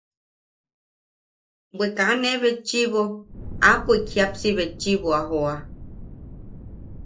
Bwe kaa ne betchiʼibo, apoik jiʼapsi betchiʼibo a joa.